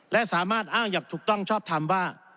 และสามารถอ้างอย่างถูกต้องชอบทำว่า